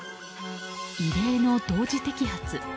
異例の同時摘発。